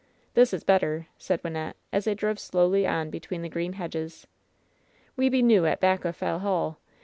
"This is better," said Wynnette, as they drove slowly on between the green hedges. "We be noo at back o' Fell Hall.